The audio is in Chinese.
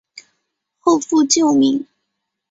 后复旧名。